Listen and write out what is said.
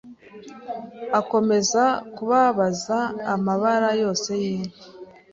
Akomeza kubabaza amabara yose y’inka